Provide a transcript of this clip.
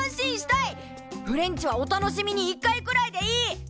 フレンチはお楽しみに１回くらいでいい。